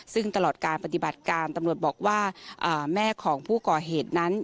ซึ่งตลอดการปฏิบัติการตำรวจบอกว่าแม่ของผู้ก่อเหตุนั้น